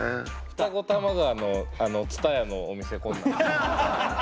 二子玉川のＴＳＵＴＡＹＡのお店こんなん。